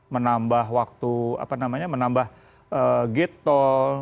menambah waktu apa namanya menambah gate tol